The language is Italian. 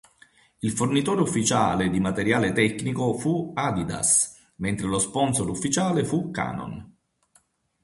Il fornitore ufficiale di materiale tecnico fu Adidas, mentre lo sponsor ufficiale fu Canon.